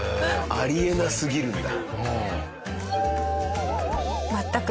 あり得なすぎるんだ。